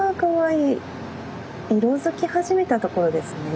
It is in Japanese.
色づき始めたところですね。